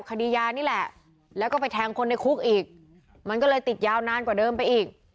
คดียานี่แหละแล้วก็ไปแทงคนในคุกอีกมันก็เลยติดยาวนานกว่าเดิมไปอีก